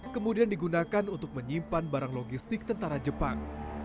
kemudian digunakan untuk menyimpan barang logistik tentara jepang